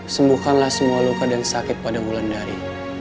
sembukanlah semua luka dan sakit pada wulandari